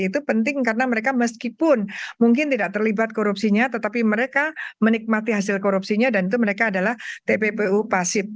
itu penting karena mereka meskipun mungkin tidak terlibat korupsinya tetapi mereka menikmati hasil korupsinya dan itu mereka adalah tppu pasif